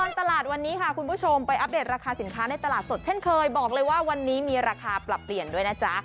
ตลาดวันนี้ค่ะคุณผู้ชมไปอัปเดตราคาสินค้าในตลาดสดเช่นเคยบอกเลยว่าวันนี้มีราคาปรับเปลี่ยนด้วยนะจ๊ะ